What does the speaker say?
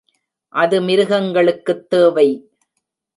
அது மிருகங்களுக்குத் தேவை.